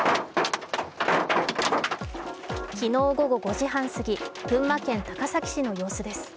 昨日午後５時半すぎ、群馬県高崎市の様子です。